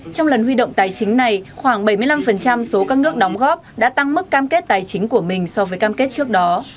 trong lần huy động tài chính này khoảng bảy mươi năm số các nước đóng góp đã tăng mức cam kết tài chính của mình so với cam kết trước đó